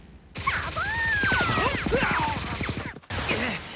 サボ！